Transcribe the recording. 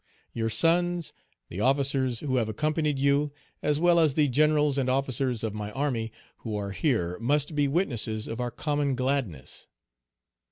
Your sons, the officers who have accompanied you, as well as the generals and officers of my army, who are here, must be witnesses of our common gladness."